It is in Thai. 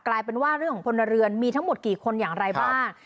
กลายเป็นว่าเรื่องของพลเรือนมีทั้งหมดกี่คนอย่างไรบ้าง